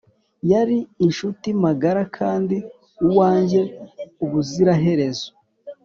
yari inshuti magara kandi uwanjye ubuziraherezo.